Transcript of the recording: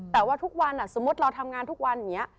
แต่ว่าทุกวันสมมุติเราทำงานทุกวันอย่างนี้